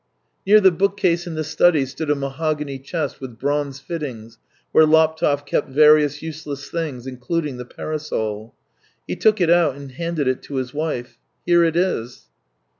Near the book case in the study stood a mahogany chest with bronze fittings where Laptev kept various useless things, including the parasol. He took it out and handed it to his wife. " Here it is."